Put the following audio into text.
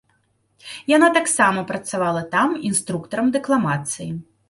Яна таксама працавала там інструктарам дэкламацыі.